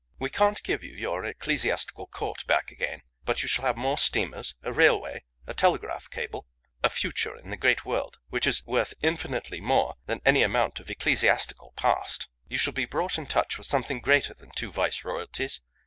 "We can't give you your ecclesiastical court back again; but you shall have more steamers, a railway, a telegraph cable a future in the great world which is worth infinitely more than any amount of ecclesiastical past. You shall be brought in touch with something greater than two viceroyalties.